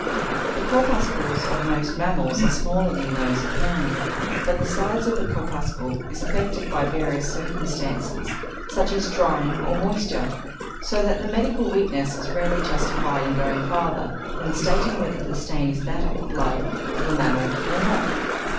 The corpuscles of most mammals are smaller than those of man, but the size of a corpuscle is affected by various circumstances, such as drying or moisture, so that the medical witness is rarely justified in going farther than stating whether the stain is that of the blood of a mammal or not.